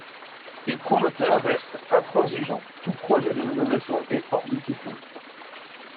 Les promoteurs restent intransigeants, tout projet de rénovation est hors de question.